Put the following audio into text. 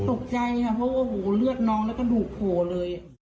ตกใจนะเพราะว่าโอ้โหเลือดน้องแล้วก็หลุบโหเลย